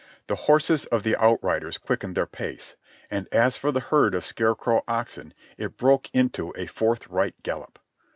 The horses of the outriders quickened their pace. And as for the herd of scarecrow oxen, it broke into a forthright gallop.